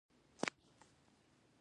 افغانستان بډایه کلتوري جغرافیه لري